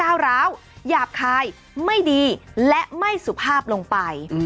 ก้าวร้าวหยาบคายไม่ดีและไม่สุภาพลงไป